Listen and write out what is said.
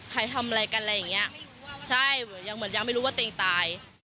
ใครทำอะไรกันอะไรอย่างเงี้ยใช่ยังเหมือนยังไม่รู้ว่าตัวเองตาย